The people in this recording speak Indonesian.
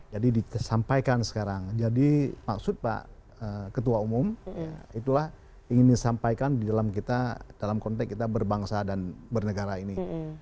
jadi disampaikan sekarang jadi maksud pak ketua umum itulah ingin disampaikan dalam konteks kita berbangsa dan bernegara ini